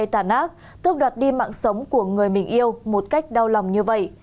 người tàn ác tước đoạt đi mạng sống của người mình yêu một cách đau lòng như vậy